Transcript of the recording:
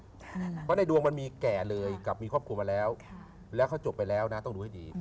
เพราะในดวงมันมีแก่เลยกับมีครอบครัวมาแล้วแล้วเขาจบไปแล้วนะต้องดูให้ดี